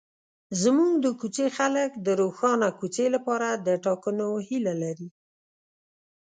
زموږ د کوڅې خلک د روښانه کوڅې لپاره د ټاکنو هیله لري.